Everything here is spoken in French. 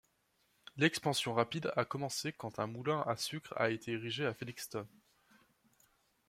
L'expansion rapide a commencé quand un moulin à sucre a été érigé à Felixton.